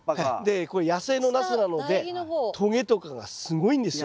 これ野生のナスなのでとげとかがすごいんですよ。